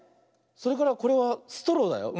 それからこれはストローだよ。